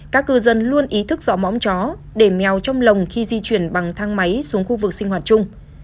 các cư dân luôn ý thức dọ móng chó để mèo trong lồng khi di chuyển bằng thang máy xuống khu vực sinh hoạt chung